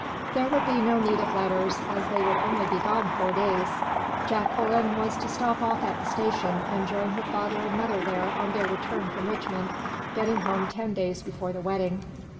There would be no need of letters, as they would only be gone four days. Jacqueline was to stop off at the station, and join her father and mother there on their return from Richmond, getting home ten days before the wedding.